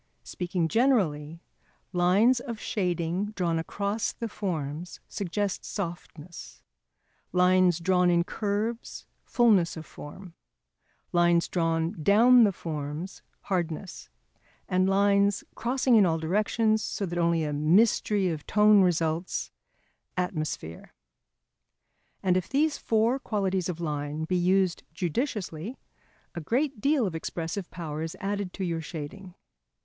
Speaking generally, #lines of shading drawn across the forms suggest softness, lines drawn in curves fulness of form, lines drawn down the forms hardness, and lines crossing in all directions so that only a mystery of tone results, atmosphere#. And if these four qualities of line be used judiciously, a great deal of expressive power is added to your shading.